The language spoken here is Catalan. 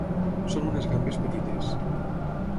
Són unes gambes petites.